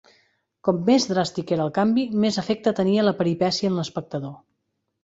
Com més dràstic era el canvi, més efecte tenia la peripècia en l'espectador.